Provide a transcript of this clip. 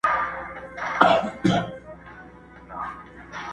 خدایه چي بیا به کله اورو کوچيانۍ سندري.!